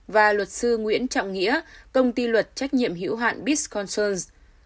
và luật sư nguyễn trọng nghĩa công ty luật trách nhiệm hữu hạn bisconson